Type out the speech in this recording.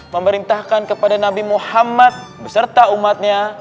memerintahkan kepada nabi muhammad beserta umatnya